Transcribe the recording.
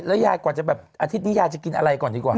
ยายกว่าจะแบบอาทิตย์นี้ยายจะกินอะไรก่อนดีกว่า